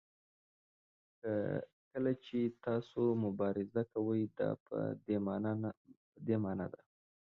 کله چې تاسو مبارزه کوئ دا په دې معنا ده.